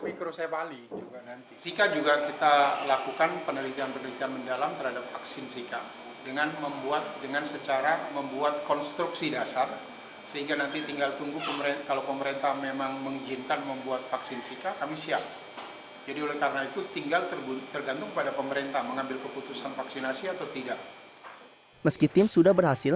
meski tim sudah berhasil menemukan vaksin